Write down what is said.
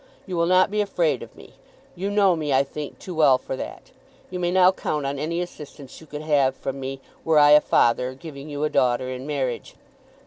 You will not be afraid of me. You know me, I think, too well for that. You may now count on any assistance you could have from me were I a father giving you a daughter in marriage.